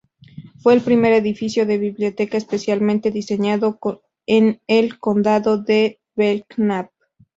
Fue el primer edificio de biblioteca especialmente diseñado en el condado de Belknap.